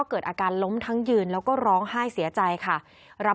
เกิดอาการล้มทั้งยืนแล้วก็ร้องไห้เสียใจค่ะรับ